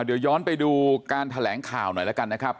เดี๋ยวย้อนไปดูการแถลงข่าวหน่อยแล้วกันนะครับ